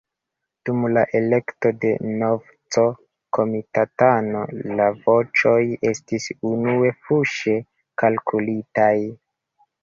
Dum la elekto de nova C-komitatano la voĉoj estis unue fuŝe kalkulitaj.